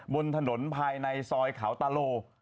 บนถนนภายในซอยเขาตาโล